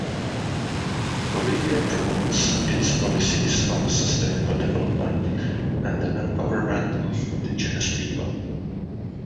Bolivia promotes its policies on sustainable development and the empowerment of indigenous people.